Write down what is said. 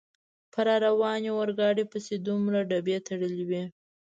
په را روانې اورګاډي پسې دومره ډبې تړلې وې.